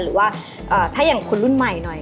หรือว่าท่าย่างคุณลุ่มใหม่